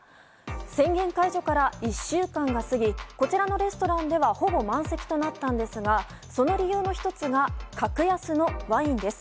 宣言解除から１週間が過ぎこちらのレストランではほぼ満席となったんですがその理由の１つが格安のワインです。